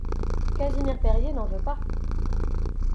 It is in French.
Casimir Perier n'en veut pas!